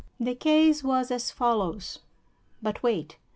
"The case was as follows. But wait!